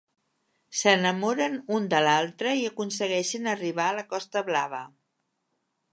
S'enamoren un de l'altre i aconsegueixen arribar a la Costa Blava.